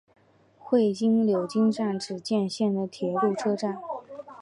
会津柳津站只见线的铁路车站。